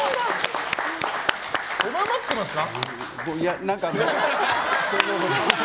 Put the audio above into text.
狭まってますか？